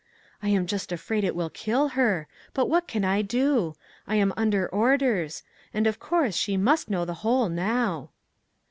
" I am just afraid it will kill her ! but what can I do ? I am under orders ; and of course she must know the whole now."